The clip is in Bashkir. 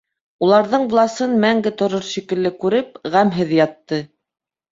Уларҙың власын мәңге торор шикелле күреп, ғәмһеҙ ятты.